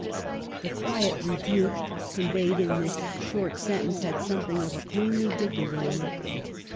The quiet rebuke conveyed in this short sentence had something of queenly dignity in it.